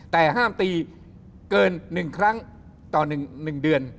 แต่ห้ามตีเกินหนึ่งครั้งต่อหนึ่งเดือน